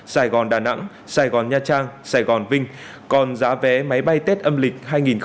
sài gòn đà nẵng sài gòn nha trang sài gòn vinh còn giá vé máy bay tết âm lịch hai nghìn hai mươi